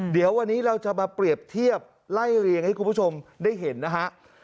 เดี๋ยววันนี้เราจะมาเปรียบเทียบไล่เรียงให้คุณผู้ชมได้เห็นนะฮะ